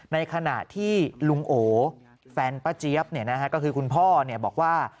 ในขณะที่ลุงโอแฟนป้าเจี๊ยบก็คือคุณพ่อบอกว่า